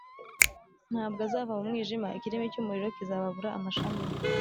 ntabwo azava mu mwijima, ikirimi cy’umuriro kizababura amashami ye,